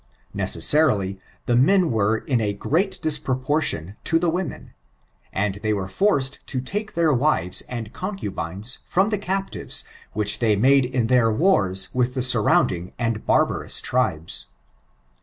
Necessarily, the men were in a great disproportion to the women, and they were forced to take their wives and concubines from tiie captives which they made in their wars with the surrounding and baibaious tribes.